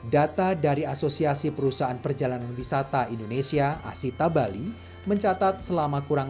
data dari asosiasi perusahaan perjalanan wisata indonesia asita bali mencatat selama kurang